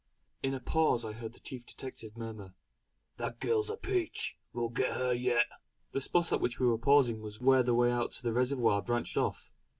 In a pause I heard the chief detective murmur: "That girl's a peach. We'll get her yet!" The spot at which we were pausing was where the way to the reservoir branched off.